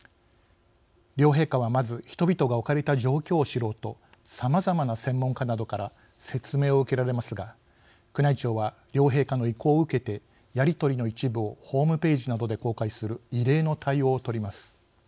両陛下はまず人々が置かれた状況を知ろうとさまざまな専門家などから説明を受けられますが宮内庁は両陛下の意向を受けてやり取りの一部をホームページなどで公開する異例の対応を取ります。